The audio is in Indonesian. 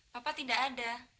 papa tidak ada